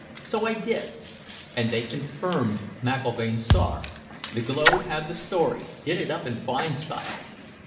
So I did, and they confirmed McIlvaine's Star. The Globe had the story, did it up in fine style.